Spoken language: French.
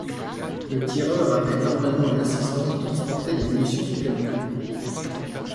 Le tireur avait normalement un assistant qui transportait des munitions supplémentaires.